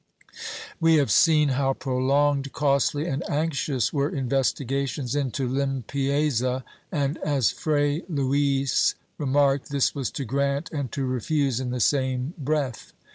We have seen how prolonged, costly and anxious were investigations into lim pieza and, as Fray Luis remarked, this was to grant and to refuse in the same breath.